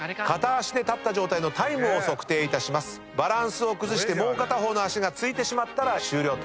バランスを崩してもう片方の足が着いてしまったら終了と。